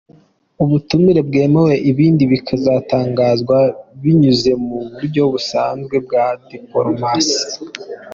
Ubutumire bwemewe, ibindi bikazatangazwa binyuze mu buryo busanzwe bwa dipolomasi.